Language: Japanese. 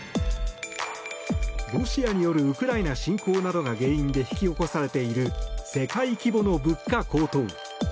ロシアによるウクライナ侵攻などが原因で引き起こされている世界規模の物価高騰。